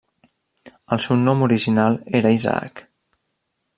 El seu nom original era Isaac.